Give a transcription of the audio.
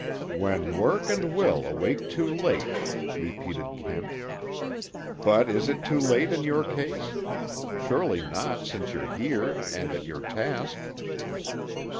"'When Work and Will awake too late,'" repeated Kent. "But is it too late in your case? Surely not, since you're here, and at your task."